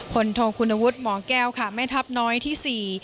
โทคุณวุฒิหมอแก้วค่ะแม่ทัพน้อยที่สี่